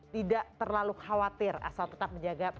tidak akan terlalu lama